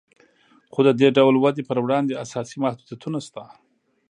خو د دې ډول ودې پر وړاندې اساسي محدودیتونه شته